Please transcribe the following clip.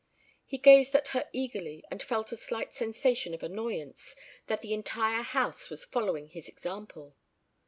He gazed at her eagerly, and felt a slight sensation of annoyance that the entire house was following his example.